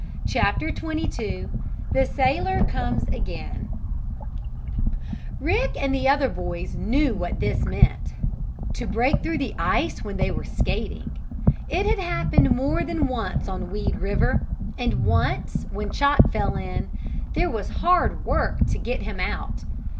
CHAPTER XXII THE SAILOR COMES AGAIN Rick and the other boys knew what this meant to break through the ice when they were skating. It had happened more than once on Weed River, and once, when Chot fell in, there was hard work to get him out.